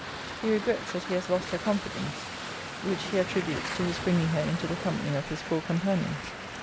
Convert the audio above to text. He regrets that he has lost her confidence; which he attributes to his bringing her into the company of his four companions.